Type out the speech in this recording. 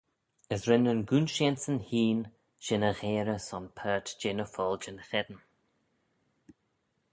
As ren nyn gooinsheanseyn hene shin y gheyrey son paart jeh ny foiljyn cheddin.